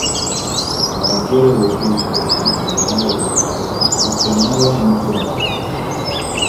La maggiore delle sue nipoti, Eleonora di Savoia, fu chiamata in suo onore.